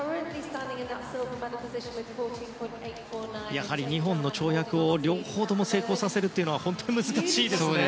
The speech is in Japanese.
やはり２本の跳躍を両方とも成功させるというのは本当に難しいですね。